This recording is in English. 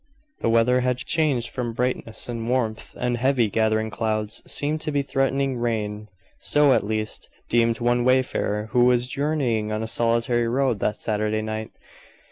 The weather had changed from brightness and warmth, and heavy, gathering clouds seemed to be threatening rain; so, at least, deemed one wayfarer, who was journeying on a solitary road that Saturday night.